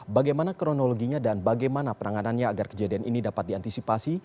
bagaimana kronologinya dan bagaimana penanganannya agar kejadian ini dapat diantisipasi